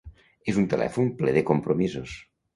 És un telèfon ple de compromisos.